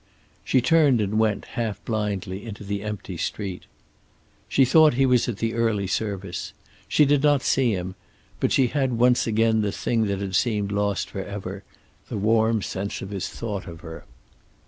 She turned and went, half blindly, into the empty street. She thought he was at the early service. She did not see him, but she had once again the thing that had seemed lost forever, the warm sense of his thought of her.